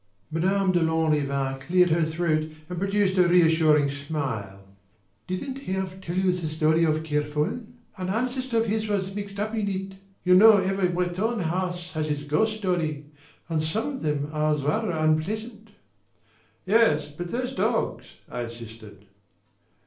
Madame de Lanrivain cleared her throat and produced a reassuring smile. "Didn't Herve tell you the story of Kerfol? An ancestor of his was mixed up in it. You know every Breton house has its ghost story; and some of them are rather unpleasant." "Yes but those dogs?" I insisted.